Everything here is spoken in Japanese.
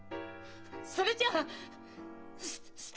それじゃあす